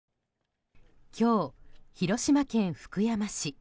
今日、広島県福山市。